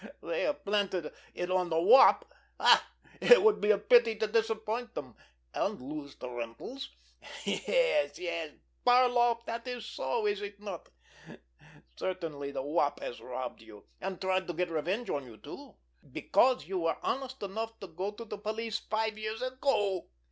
They have planted it on the Wop—ha, ha! It would be a pity to disappoint them—and lose the rentals. Yes, yes, Barloff, that is so, is it not? Certainly, the Wop has robbed you, and tried to get revenge on you, too, because you were honest enough to go to the police five years ago!"